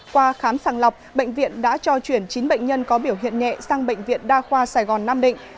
qua khám sàng lọc bệnh viện đã cho chuyển chín bệnh nhân có biểu hiện nhẹ sang bệnh viện đa khoa sài gòn nam định